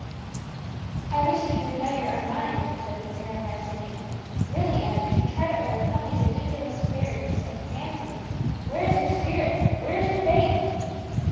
"I wish that you would know your own mind," he said, with an air of vexation. "Really, Emmie, you should try to overcome these ridiculous fears and fancies. Where is your spirit, where is your faith?"